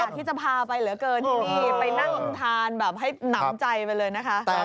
ที่จะพาไปเหลือเกินที่นี่ไปนั่งทานแบบให้หนำใจไปเลยนะคะ